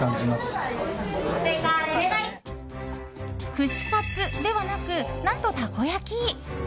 串カツではなく何と、たこ焼き。